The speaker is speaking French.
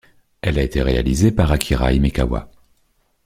Elle a été réalisée par Akira Himekawa.